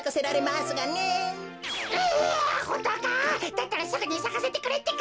だったらすぐにさかせてくれってか。